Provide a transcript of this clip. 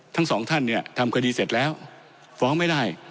ทั้งสองท่านเนี่ยทำคดีเสร็จแล้วฟ้องไม่ได้